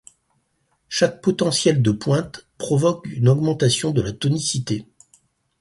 Chaque potentiel de pointe provoque une augmentation de la tonicité.